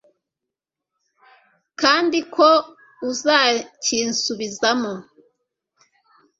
kandi ko uzakinsubizamo